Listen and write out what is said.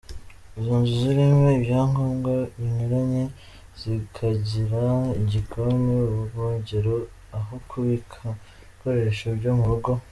Izo nzu zirimo ibyangombwa binyuranye, zikagira igikoni, ubwogero, aho kubika ibikoresho byo mu rugo.